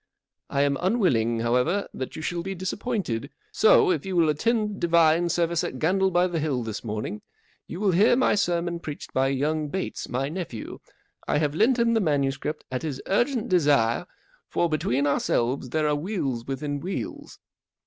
I am unwilling, however, that you shall be disappointed, so, if you will attend divine service at Gandle by the Hill this morning, you will hear my sermon preached by young Bates, my nephew. I have lent him the manu¬ script at his urgent desire, for, between our¬ selves, there are wheels within wheels.